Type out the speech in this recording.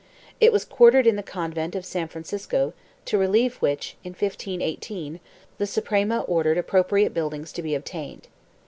It was quartered in the convent of San Francisco, to relieve which, in 1518, the Suprema ordered appropriate buildings to be obtained.